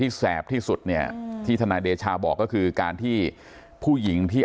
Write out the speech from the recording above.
แสบที่สุดเนี่ยที่ทนายเดชาบอกก็คือการที่ผู้หญิงที่